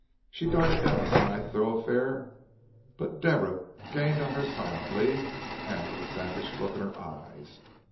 She darted down a side thoroughfare, but Deborah gained on her silently and with a savage look in her eyes.